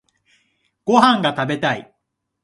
ご飯が食べたい。